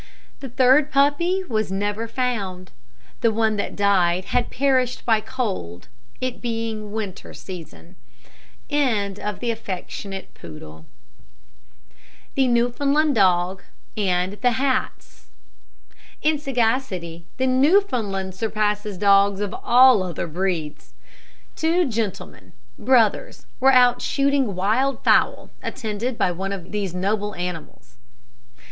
The third puppy was never found. The one that died had perished by cold, it being the winter season. THE NEWFOUNDLAND DOG AND THE HATS. In sagacity, the Newfoundland surpasses dogs of all other breeds. Two gentlemen, brothers, were out shooting wild fowl, attended by one of these noble animals.